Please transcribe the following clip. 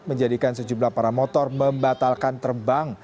menjadikan sejumlah paramotor membatalkan terbang